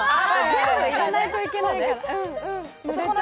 全部入れないといけないから、ぬれちゃう。